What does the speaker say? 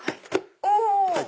お！